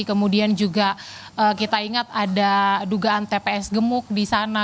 kemudian juga kita ingat ada dugaan tps gemuk di sana